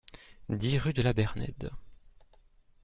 dix rue de la Bernède